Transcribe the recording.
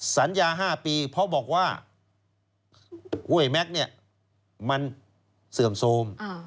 สัญญา๕ปีเพราะบอกว่าห้วยแม็กซ์เนี่ยมันเสื่อมโทรม